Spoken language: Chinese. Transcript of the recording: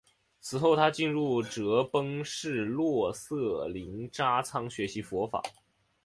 此后他进入哲蚌寺洛色林扎仓学习佛法。